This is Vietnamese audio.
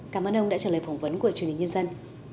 cảm ơn ông đã trả lời phỏng vấn của truyền hình nhân dân